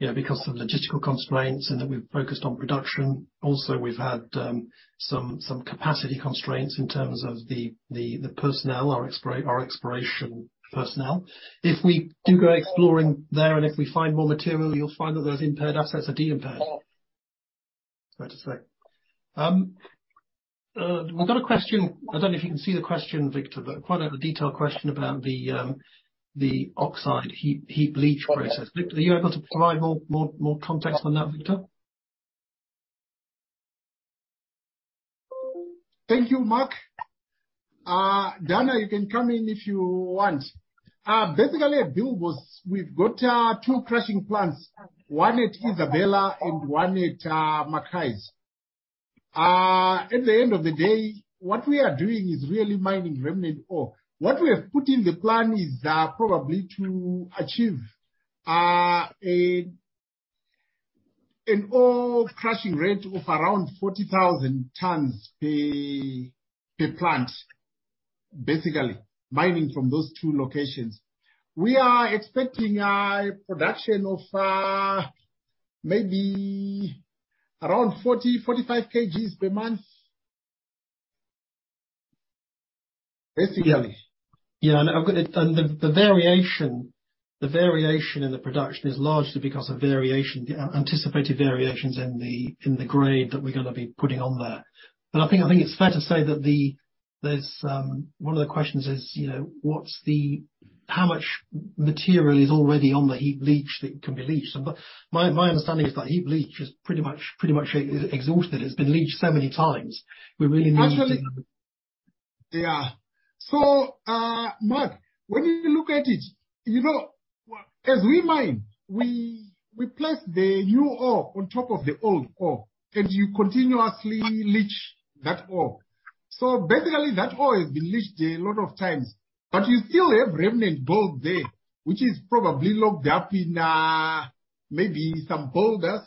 you know, because of logistical constraints and that we've focused on production. We've had some capacity constraints in terms of the personnel, our exploration personnel. If we do go exploring there and if we find more material, you'll find that those impaired assets are de-impaired. Fair to say. We've got a question. I don't know if you can see the question, Victor, but quite a detailed question about the oxide heap leach process. Vic, are you able to provide more context on that, Victor? Thank you, Mark. Dana, you can come in if you want. Basically at Bilboes we've got two crushing plants, one at Isabella and one at McCays. At the end of the day, what we are doing is really mining remnant ore. What we have put in the plan is probably to achieve an ore crushing rate of around 40,000 tons per plant. Basically, mining from those two locations. We are expecting a production of maybe around 40-45 kgs per month. Basically. Yeah. I've got it. The, the variation, the variation in the production is largely because of variation, anticipated variations in the, in the grade that we're gonna be putting on there. I think, I think it's fair to say that there's, one of the questions is, you know, what's the how much material is already on the heap leach that can be leached? My, my understanding is that heap leach is pretty much exhausted. It's been leached so many times. We really need to. Actually, yeah. Mark, when you look at it, you know, as we mine, we place the new ore on top of the old ore, and you continuously leach that ore. Basically, that ore has been leached a lot of times, but you still have remnant gold there, which is probably locked up in maybe some boulders,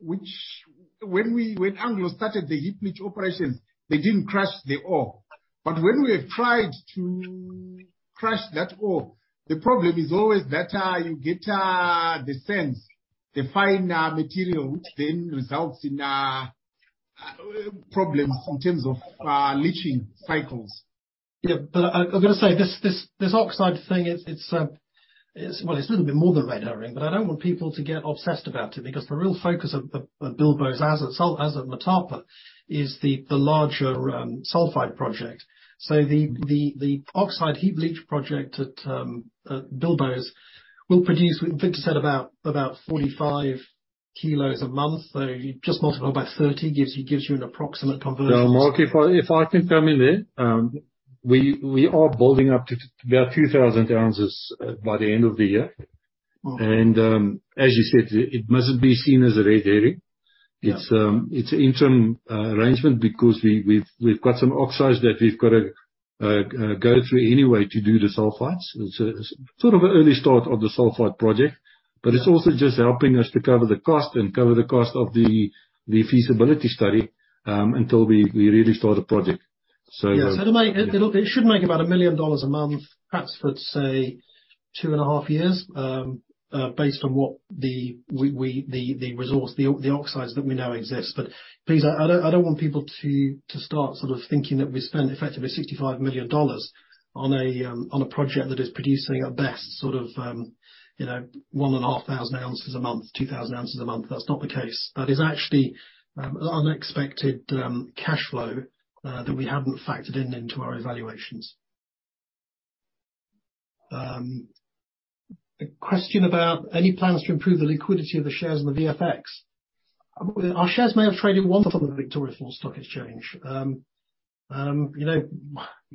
which when Anglo started the heap leach operations, they didn't crush the ore. When we have tried to crush that ore, the problem is always that you get the sands, the finer material, which then results in problems in terms of leaching cycles. I gotta say, this oxide thing, it's a little bit more than a red herring. I don't want people to get obsessed about it because the real focus of Bilboes as an asset, as a Motapa is the larger sulfide project. The oxide heap leach project at Bilboes will produce, I think you said 45 kg a month. You just multiply by 30, gives you an approximate conversion. No, Mark, if I can come in there, we are building up to about 2,000 ounces, by the end of the year. Wow. As you said, it mustn't be seen as a red herring. Yeah. It's interim arrangement because we've got some oxides that we've gotta go through anyway to do the sulfides. It's a, it's sort of an early start of the sulfide project. Yeah. It's also just helping us to cover the cost and cover the cost of the feasibility study, until we really start the project. Yeah. It'll make it should make about $1 million a month, perhaps for say, 2.5 years, based on what the we the resource the oxides that we know exist. Please, I don't want people to start sort of thinking that we spent effectively $65 million on a project that is producing at best, sort of, you know, 1,500 ounces a month, 2,000 ounces a month. That's not the case. That is actually unexpected cash flow that we haven't factored in into our evaluations. A question about any plans to improve the liquidity of the shares in the VFEX. Our shares may have traded once on the Victoria Falls Stock Exchange. You know,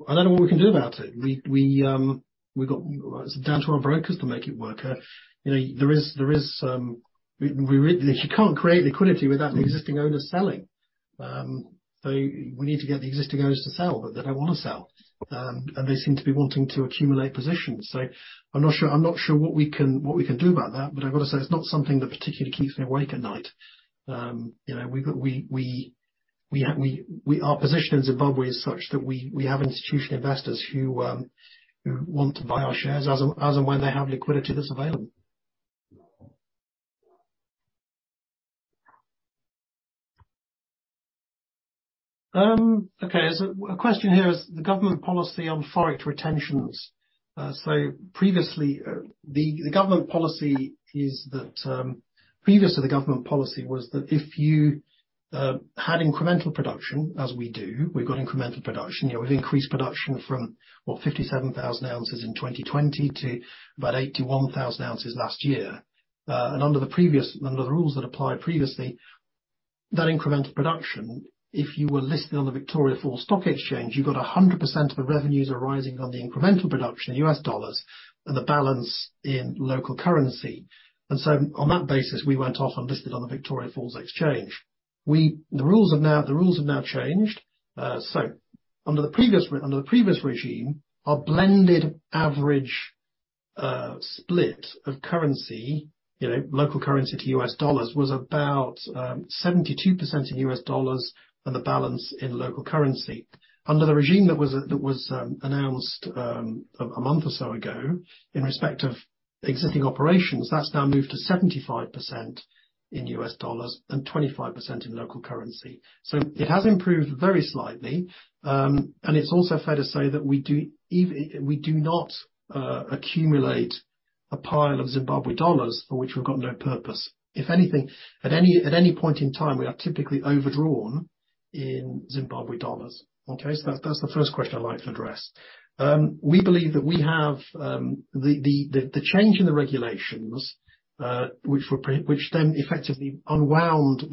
I don't know what we can do about it. It's down to our brokers to make it work. You know, You can't create liquidity without the existing owners selling. We need to get the existing owners to sell, but they don't wanna sell. They seem to be wanting to accumulate positions. I'm not sure what we can do about that, but I've got to say, it's not something that particularly keeps me awake at night. You know, Our position in Zimbabwe is such that we have institutional investors who want to buy our shares as and when they have liquidity that's available. Okay. There's a question here. Is the government policy on forex retentions? Previously, the government policy is that previous to the government policy was that if you had incremental production, as we do, we've got incremental production. You know, we've increased production from, what? 57,000 ounces in 2020 to about 81,000 ounces last year. Under the rules that applied previously, that incremental production, if you were listed on the Victoria Falls Stock Exchange, you got 100% of the revenues arising on the incremental production, the US dollars, and the balance in local currency. On that basis, we went off and listed on the Victoria Falls Exchange. The rules have now changed. Under the previous regime, our blended average, you know, split of currency, local currency to U.S. dollars, was about 72% in U.S. dollars and the balance in local currency. Under the regime that was announced a month or so ago in respect of existing operations, that's now moved to 75% in U.S. dollars and 25% in local currency. It has improved very slightly. It's also fair to say that we do not accumulate a pile of Zimbabwe dollars for which we've got no purpose. If anything, at any point in time, we are typically overdrawn in Zimbabwe dollars. Okay? That's the first question I'd like to address. We believe that we have the change in the regulations which then effectively unwound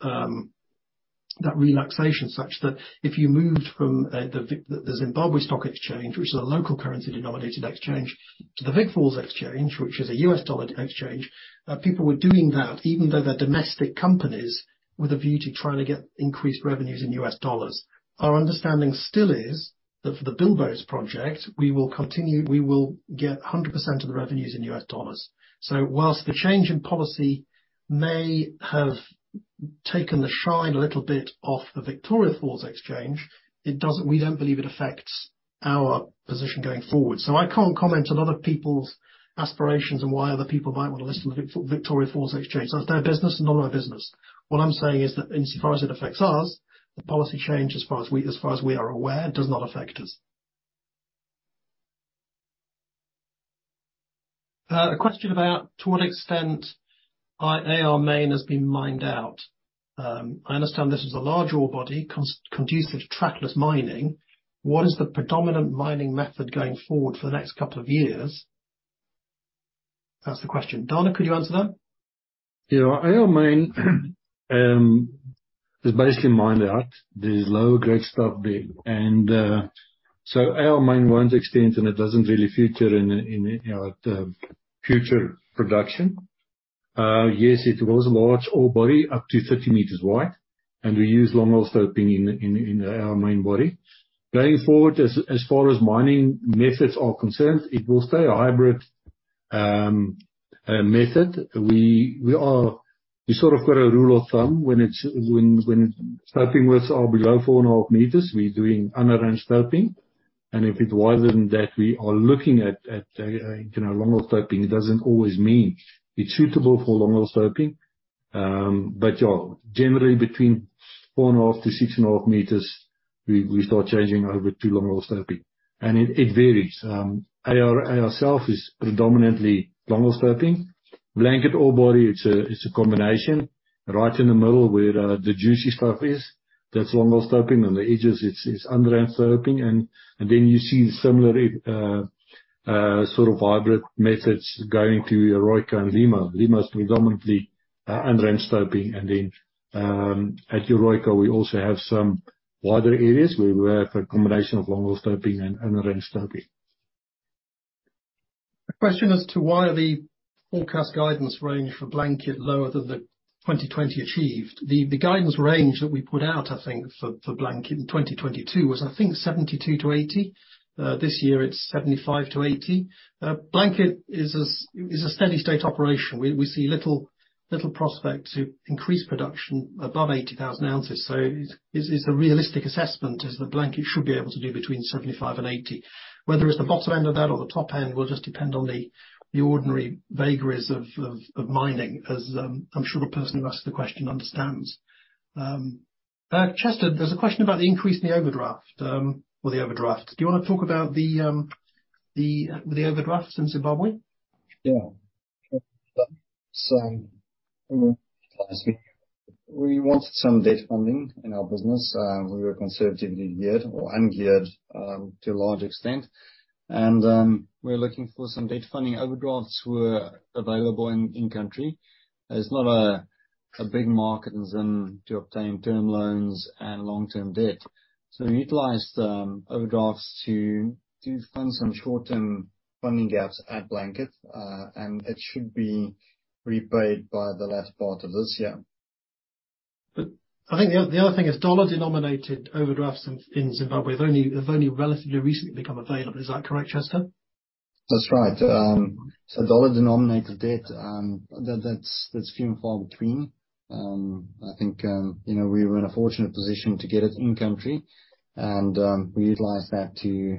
that relaxation such that if you moved from the Zimbabwe Stock Exchange, which is a local currency denominated exchange, to the Vic Falls Exchange, which is a U.S. dollar exchange, people were doing that even though they're domestic companies with a view to trying to get increased revenues in U.S. dollars. Our understanding still is that for the Bilboes project, we will continue, we will get 100% of the revenues in U.S. dollars. Whilst the change in policy may have taken the shine a little bit off the Victoria Falls Exchange, we don't believe it affects our position going forward. I can't comment on other people's aspirations and why other people might wanna list on the Victoria Falls Exchange. That's their business and not our business. What I'm saying is that insofar as it affects us, the policy change, as far as we, as far as we are aware, does not affect us. A question about to what extent, AR Main has been mined out. I understand this is a large ore body conducive to trackless mining. What is the predominant mining method going forward for the next couple of years? That's the question. Dana, could you answer that? AR Main is basically mined out. There's low grade stuff there. AR Main won't extend, and it doesn't really feature in, you know, the future production. Yes, it was a large ore body, up to 30 m wide, and we use longwall stoping in our main body. Going forward as far as mining methods are concerned, it will stay a hybrid method. We sort of got a rule of thumb when stoping widths are below 4.5 m, we're doing underground stoping. If it's wider than that, we are looking at, you know, longwall stoping. It doesn't always mean it's suitable for longwall stoping. Generally between 4.5 m-6.5 m, we start changing over to longwall stoping. It varies. AR itself is predominantly longwall stoping. Blanket ore body, it's a combination. Right in the middle where the juicy stuff is, that's longwall stoping. On the edges, it's underground stoping. Then you see similar sort of hybrid methods going to Eureka and Lima. Lima is predominantly underground stoping. Then, at Eureka, we also have some wider areas where we have a combination of longwall stoping and underground stoping. A question as to why the forecast guidance range for Blanket lower than the 2020 achieved. The guidance range that we put out for Blanket in 2022 was 72-80. This year it's 75-80. Blanket is a steady state operation. We see little prospect to increase production above 80,000 ounces. It's a realistic assessment, is that Blanket should be able to do between 75 and 80. Whether it's the bottom end of that or the top end will just depend on the ordinary vagaries of mining as I'm sure the person who asked the question understands. Chester, there's a question about the increase in the overdraft or the overdraft. Do you wanna talk about the overdrafts in Zimbabwe? Yeah. Sure. We wanted some debt funding in our business. We were conservatively geared or ungeared to a large extent. We were looking for some debt funding. Overdrafts were available in country. There's not a big market in Zim to obtain term loans and long-term debt. We utilized overdrafts to fund some short-term funding gaps at Blanket. It should be repaid by the last part of this year. I think the other thing is dollar-denominated overdrafts in Zimbabwe have only relatively recently become available. Is that correct, Chester? That's right. Dollar-denominated debt, that's few and far between. I think, you know, we were in a fortunate position to get it in country and, we utilized that to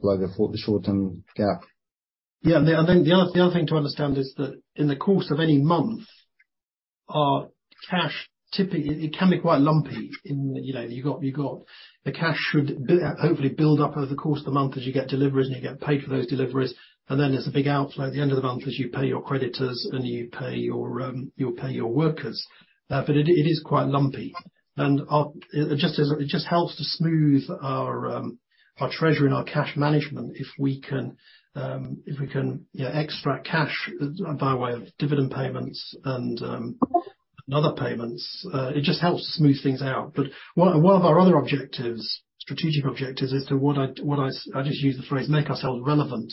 plug the short-term gap. Yeah. The other thing to understand is that in the course of any month, our cash typically, it can be quite lumpy in, you know. The cash should hopefully build up over the course of the month as you get deliveries and you get paid for those deliveries. Then there's a big outflow at the end of the month as you pay your creditors and you pay your, you'll pay your workers. It is quite lumpy. It just helps to smooth our treasury and our cash management if we can, if we can, you know, extract cash by way of dividend payments and other payments. It just helps to smooth things out. One of our other objectives, strategic objectives as to what I'll just use the phrase, make ourselves relevant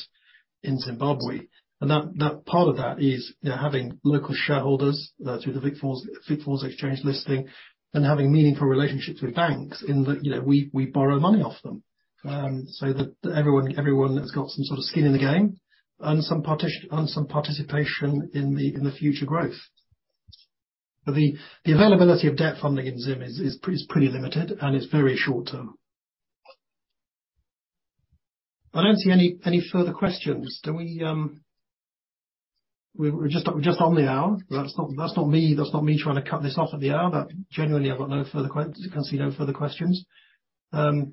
in Zimbabwe. That part of that is, you know, having local shareholders through the Vic Falls Exchange listing and having meaningful relationships with banks in that, you know, we borrow money off them. So that everyone has got some sort of skin in the game and some participation in the future growth. The availability of debt funding in Zim is pretty limited and it's very short term. I don't see any further questions. Do we? We're just on the hour. That's not me. That's not me trying to cut this off at the hour. Genuinely, I can see no further questions.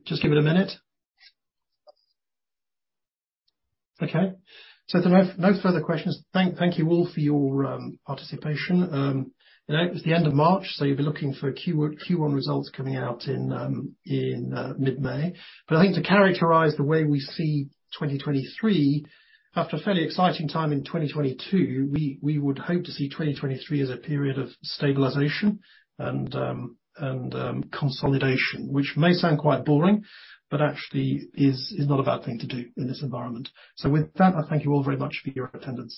Just give it a minute. Okay. If there are no further questions, thank you all for your participation. You know, it's the end of March, you'll be looking for Q1 results coming out in mid-May. I think to characterize the way we see 2023, after a fairly exciting time in 2022, we would hope to see 2023 as a period of stabilization and consolidation, which may sound quite boring, but actually is not a bad thing to do in this environment. With that, I thank you all very much for your attendance.